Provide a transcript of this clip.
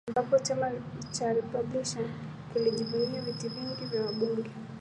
ambapo chama cha republican kilijivunia viti vingi vya wambunge